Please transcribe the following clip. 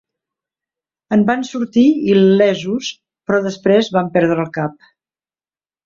En van sortir il·lesos, però després van perdre el cap.